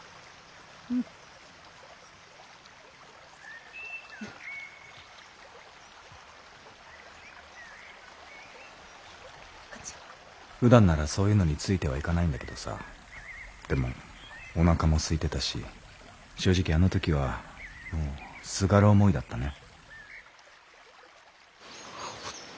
うん。ふだんならそういうのについてはいかないんだけどさでもおなかもすいてたし正直あの時はもうすがる思いだったね。